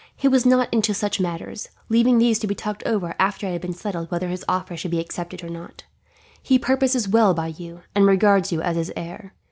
"He went not into such matters, leaving these to be talked over after it had been settled whether his offer should be accepted or not. He purposes well by you, and regards you as his heir.